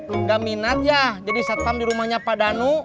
enggak minat ya jadi satpam di rumahnya pak danu